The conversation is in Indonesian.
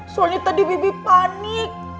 soalnya tadi bibi panik